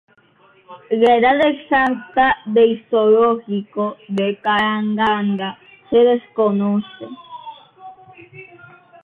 La edad exacta del zoológico de Karagandá se desconoce.